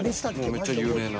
めっちゃ有名な。